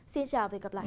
xin chào và hẹn gặp lại